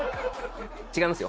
違いますよ。